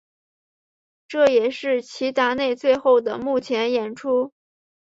这也是齐达内最后的幕前演出。